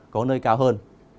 có nơi cao hơn